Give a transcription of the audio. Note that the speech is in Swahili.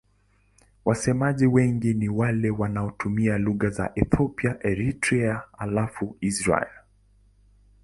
Wasemaji wengine wengi ni wale wanaotumia lugha za Ethiopia na Eritrea halafu Israel.